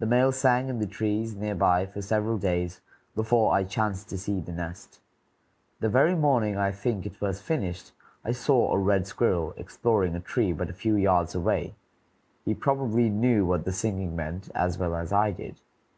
The male sang in the trees near by for several days before I chanced to see the nest. The very morning, I think, it was finished, I saw a red squirrel exploring a tree but a few yards away; he probably knew what the singing meant as well as I did.